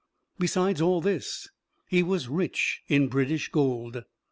Besides all this he was rich in British gold.